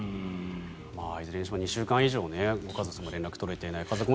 いずれにしても２週間以上、家族と連絡が取れていない。